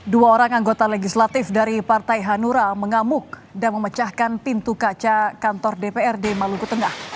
dua orang anggota legislatif dari partai hanura mengamuk dan memecahkan pintu kaca kantor dprd maluku tengah